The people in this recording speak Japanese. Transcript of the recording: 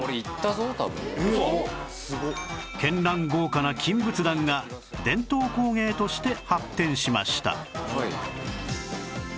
絢爛豪華な金仏壇が伝統工芸として発展しました